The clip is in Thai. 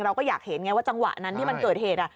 เราก็อยากเห็นไงว่าจังหวะนั้นที่มันเกิดเหตุ